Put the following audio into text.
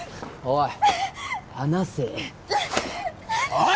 おい！